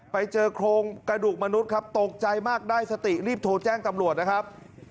ไปเจอโครงกระดูกมนุษย์ครับตกใจมากได้สติรีบโทรแจ้งตำรวจนะครับ